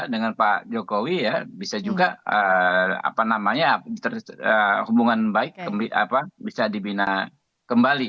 dengan pak jokowi ya bisa juga hubungan baik bisa dibina kembali